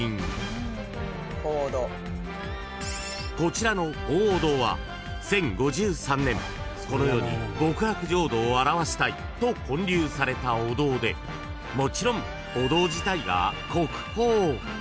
［こちらの鳳凰堂は１０５３年この世に極楽浄土を表したいと建立されたお堂でもちろんお堂自体が］